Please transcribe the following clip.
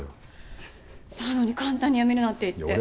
なのに簡単に辞めるなんて言って。